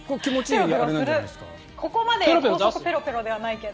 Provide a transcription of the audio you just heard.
ここまで高速ペロペロではないけど。